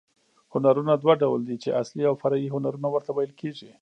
هنرونه دوه ډول دي، چي اصلي او فرعي هنرونه ورته ویل کېږي.